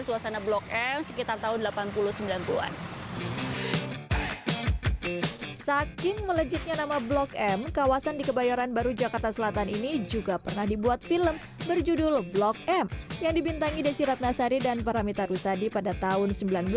saking melejitnya nama blok m kawasan di kebayoran baru jakarta selatan ini juga pernah dibuat film berjudul blok m yang dibintangi desi ratnasari dan paramita rusadi pada tahun seribu sembilan ratus sembilan puluh